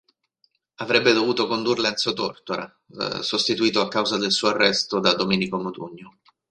Avrebbe dovuto condurla Enzo Tortora, sostituito a causa del suo arresto, da Domenico Modugno.